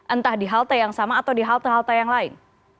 entah di halte yang sama atau di halte halte yang lain